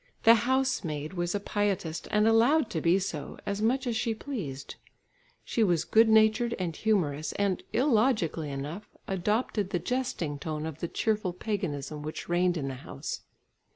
The housemaid was a pietist and allowed to be so, as much as she pleased. She was good natured and humorous, and, illogically enough, adopted the jesting tone of the cheerful paganism which reigned in the house.